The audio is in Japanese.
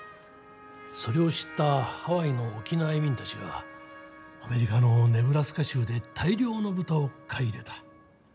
それを知ったハワイの沖縄移民たちがアメリカのネブラスカ州で大量の豚を買い入れた。